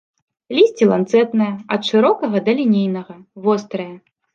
Лісце ланцэтнае, ад шырокага да лінейнага, вострае.